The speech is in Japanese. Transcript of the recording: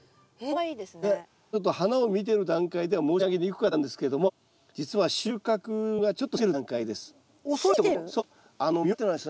ちょっと花を見てる段階では申し上げにくかったんですけども実は収穫がちょっと過ぎてる段階です。